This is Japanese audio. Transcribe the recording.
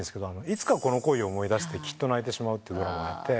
『いつかこの恋を思い出してきっと泣いてしまう』ってドラマをやって。